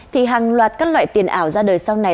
thì hàng loạt các loại tiền ảo ra đời sau này